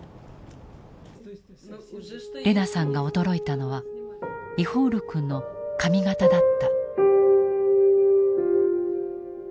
レナさんが驚いたのはイホール君の髪型だった。